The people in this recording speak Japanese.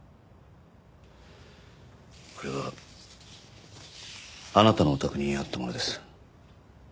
これはあなたのお宅にあったものです。